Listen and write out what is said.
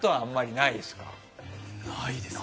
ないですね。